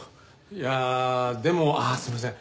いやあでもああすいません。